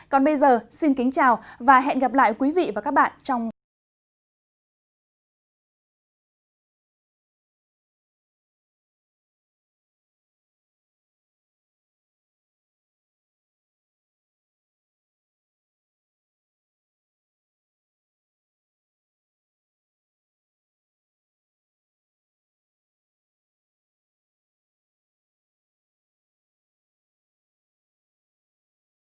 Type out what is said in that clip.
còn bây giờ xin kính chào và hẹn gặp lại quý vị và các bạn trong các bản tin tiếp theo